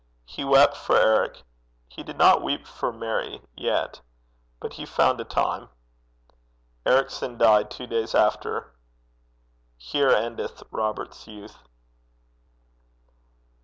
He wept for Eric. He did not weep for Mary yet. But he found a time. Ericson died two days after. Here endeth Robert's youth.